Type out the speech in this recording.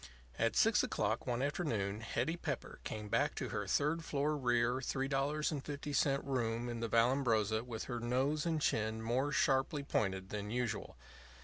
At six o'clock one afternoon Hetty Pepper came back to her third floor rear $3.50 room in the Vallambrosa with her nose and chin more sharply pointed than usual.